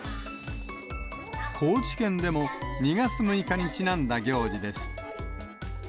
高知県でも２月６日にちなんだ行事です。